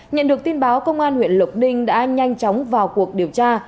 nhận được tin báo công an huyện lộc ninh đã nhanh chóng vào cuộc điều tra